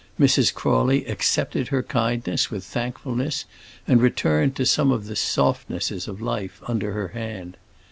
Mrs. Crawley accepted her kindness with thankfulness, and returned to some of the softnesses of life under her hand.